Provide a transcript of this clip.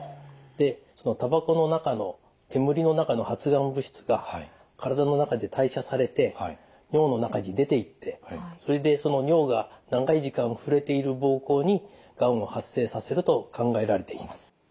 そのたばこの中の煙の中の発がん物質が体の中で代謝されて尿の中に出ていってそれでその尿が長い時間触れている膀胱にがんを発生させると考えられています。